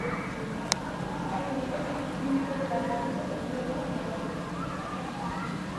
Haien ondotik, bi bikotek hartu zuten erreleboa agertokian.